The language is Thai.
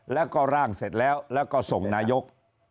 แล้วก็ร่างเสร็จแล้วแล้วก็ส่งนายก